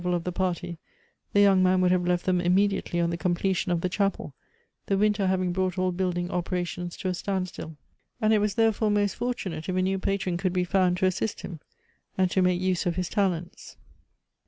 al of the party, the young man would have left them immediately on the completion of the chapel, the winter having brought all building operations to a standstill ; and it was, therefore, most fortunate if a new patron could be found to assist him, and to make use of his talents.